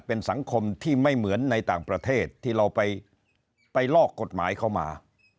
เป็นสังคมที่ไม่เหมือนในต่างประเทศที่เราไปลอกกฎหมายเข้ามา